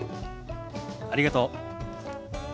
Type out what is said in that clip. ありがとう。